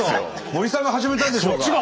森さんが始めたんでしょうが。